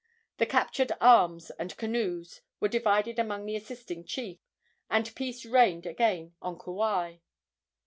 The captured arms and canoes were divided among the assisting chiefs, and peace reigned again on Kauai.